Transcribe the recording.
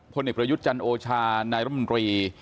พลเนกพระยุทธจันโอชานายร่ำรี